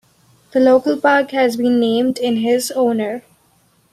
A local park has been named in his honour.